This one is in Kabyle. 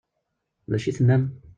D acu i d-tennam?